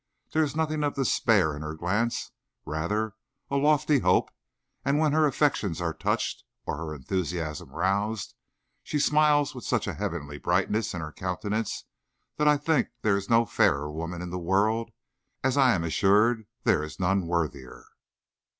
There is nothing of despair in her glance, rather a lofty hope, and when her affections are touched, or her enthusiasm roused, she smiles with such a heavenly brightness in her countenance, that I think there is no fairer woman in the world, as I am assured there is none worthier.